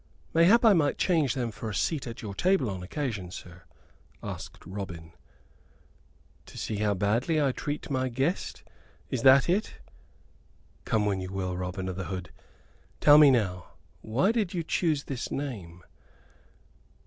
"Mayhap I might change them for a seat at your table on occasion, sir?" asked Robin. "To see how badly I treat my guest? Is that it? Come when you will, Robin o' th' Hood. Tell me now, why did you choose this name?